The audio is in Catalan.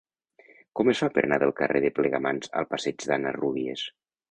Com es fa per anar del carrer de Plegamans al passeig d'Anna Rúbies?